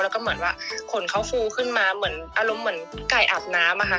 แล้วก็เหมือนว่าขนเขาฟูขึ้นมาเหมือนอารมณ์เหมือนไก่อาบน้ำอะค่ะ